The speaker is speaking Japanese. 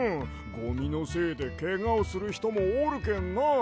ゴミのせいでけがをするひともおるけんな。